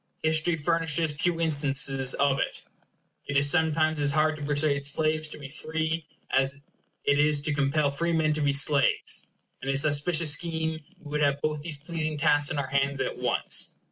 History furnishes few instances of it. It is sometimes as hard to persuade slaves to be free, as it is to compel freemen to be slaves; and in this auspicious scheme we should have both these pleasing tasks on our hands at once.